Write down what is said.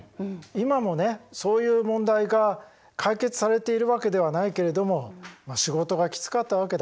今もねそういう問題が解決されているわけではないけれども仕事がきつかったわけだ。